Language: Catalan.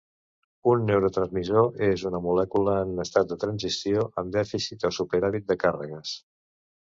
Un neurotransmissor és una molècula en estat de transició, amb dèficit o superàvit de càrregues.